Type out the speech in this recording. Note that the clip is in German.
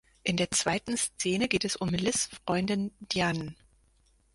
In der zweiten Szene geht es um Liz’ Freundin Dianne.